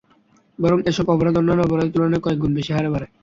বরং এসব অপরাধ অন্যান্য অপরাধের তুলনায় কয়েক গুণ বেশি হারে বাড়ে।